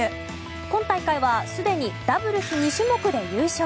今大会はすでにダブルス２種目で優勝。